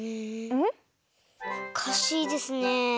おかしいですね。